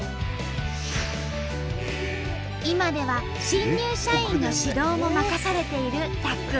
今では新入社員の指導も任されているたっくん。